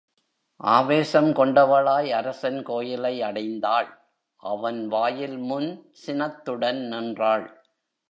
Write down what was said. ஆவேசம் கொண்டவளாய் அரசன் கோயிலை அடைந் தாள் அவன் வாயில் முன் சினத்துடன் நின்றாள்.